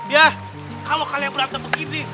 ya kalau kalian berantem begini